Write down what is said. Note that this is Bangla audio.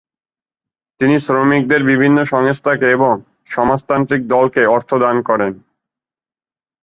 তিনি শ্রমিকদের বিভিন্ন সংস্থাকে এবং সমাজতান্ত্রিক দলকে অর্থ দান করেন ।